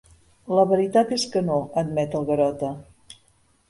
La veritat és que no —admet el Garota—.